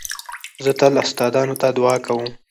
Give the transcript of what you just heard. زه تل استادانو ته دؤعا کوم.